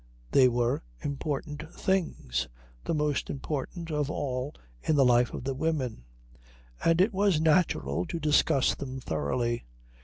They were important things, the most important of all in the life of the women, and it was natural to discuss them thoroughly.